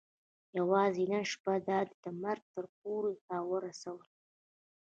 یوازې نن شپه یې دا دی د مرګ تر پولې را ورسولو.